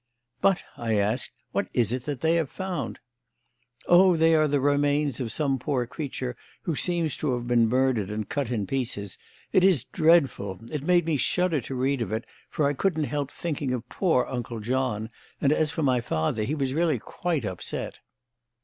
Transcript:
"But," I asked, "what is it that they have found?" "Oh, they are the remains of some poor creature who seems to have been murdered and cut in pieces. It is dreadful. It made me shudder to read of it, for I couldn't help thinking of poor Uncle John, and, as for my father, he was really quite upset."